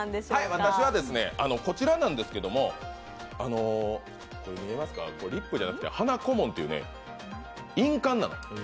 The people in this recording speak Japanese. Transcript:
私は、こちらなんですけれども、見えますか、リップじゃなくて花個紋っていう印鑑なの。